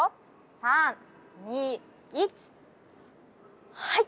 ３２１はい。